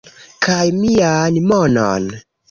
kaj mian monon